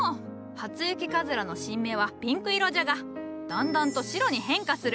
初雪かずらの新芽はピンク色じゃがだんだんと白に変化する。